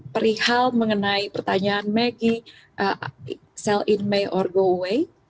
perihal mengenai pertanyaan maggie sell in may or go away